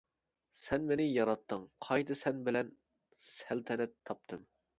سەن مېنى ياراتتىڭ، قايتا سەن بىلەن سەلتەنەت تاپتىم.